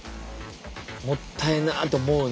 「もったいな」と思うね。